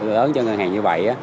lớn cho ngân hàng như vậy